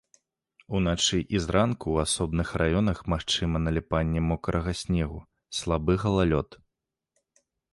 Уначы і зранку ў асобных раёнах магчыма наліпанне мокрага снегу, слабы галалёд.